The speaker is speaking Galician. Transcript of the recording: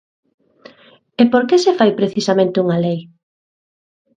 ¿E por que se fai precisamente unha lei?